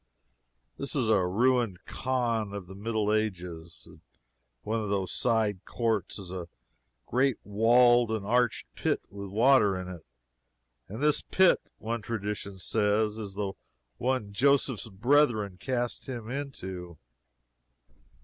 This is a ruined Khan of the Middle Ages, in one of whose side courts is a great walled and arched pit with water in it, and this pit, one tradition says, is the one Joseph's brethren cast him into.